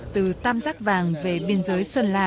từ tam giác vàng về biên giới sơn la